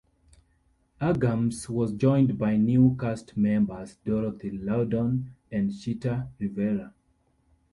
Uggams was joined by new cast members Dorothy Loudon and Chita Rivera.